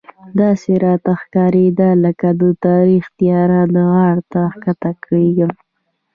داسې راته ښکارېدل لکه د تاریخ تیاره غار ته ښکته کېږم.